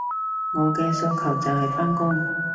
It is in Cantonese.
我嘅訴求就係返工